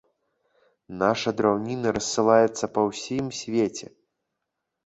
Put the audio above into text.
Наша драўніна рассылаецца па ўсім свеце.